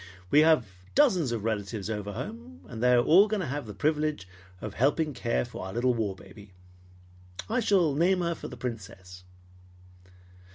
We have dozens of relatives over home, and they are all going to have the privilege of helping to care for our little war baby. I shall name her for the Princess."